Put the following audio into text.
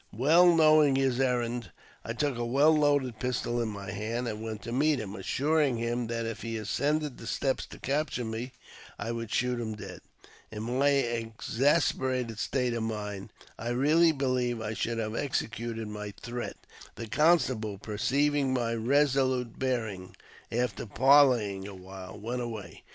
Well knowing his errand, I took a well loaded pistol in my hand, and went to meet him, assuring him that if he ascended the steps to capture me I would shoot him dead. In my exasperated state of mind, I really believe I should have executed my threat ; the constable, perceiving my resolute bearing, after parleying a while, went away.